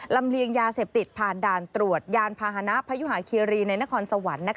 เลียงยาเสพติดผ่านด่านตรวจยานพาหนะพยุหาคีรีในนครสวรรค์